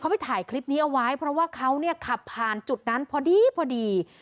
ไปถ่ายคลิปนี้เอาไว้เพราะว่าเขาเนี่ยขับผ่านจุดนั้นพอดีพอดี